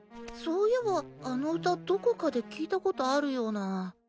そういえばあの歌どこかで聞いたことあるような。